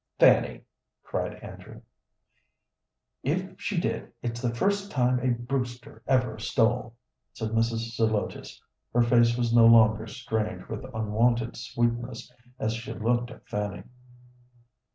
"Fanny!" cried Andrew. "If she did, it's the first time a Brewster ever stole," said Mrs. Zelotes. Her face was no longer strange with unwonted sweetness as she looked at Fanny.